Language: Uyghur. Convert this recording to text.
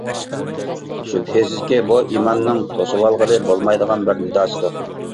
شۈبھىسىزكى، بۇ ئىماننىڭ توسۇۋالغىلى بولمايدىغان بىر نىداسىدۇر.